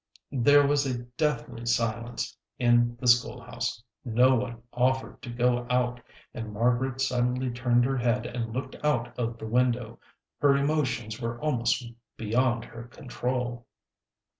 There was a deathly silence in the school house. No one offered to go out, and Margaret suddenly turned her head and looked out of the window. Her emotions were almost beyond her control.